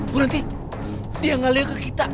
bu nanti dia ngalir ke kita